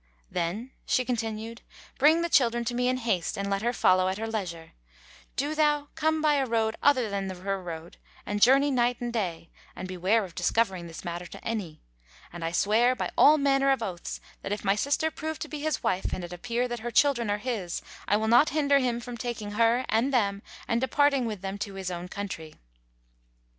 "Then," she continued, "bring the children to me in haste and let her follow at her leisure. Do thou come by a road other than her road and journey night and day and beware of discovering this matter to any. And I swear by all manner oaths that, if my sister prove to be his wife and it appear that her children are his, I will not hinder him from taking her and them and departing with them to his own country."